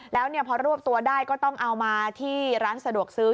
แล้วพอรวบตัวได้ก็ต้องเอามาที่ร้านสะดวกซื้อ